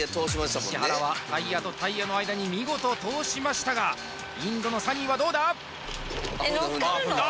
石原はタイヤとタイヤの間に見事通しましたがインドのサニーはどうだ？ああ！